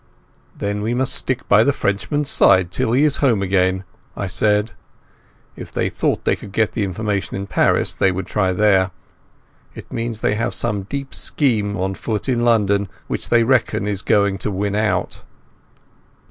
"Then we must stick by the Frenchman's side till he is home again," I said. "If they thought they could get the information in Paris they would try there. It means that they have some deep scheme on foot in London which they reckon is going to win out."